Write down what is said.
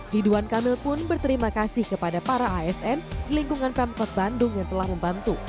ridwan kamil pun berterima kasih kepada para asn di lingkungan pemkot bandung yang telah membantu